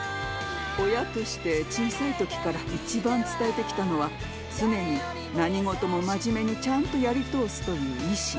親として、小さいときから一番伝えてきたのは、常に何事も真面目にちゃんとやり通すという意志。